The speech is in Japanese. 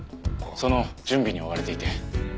その準備に追われていて。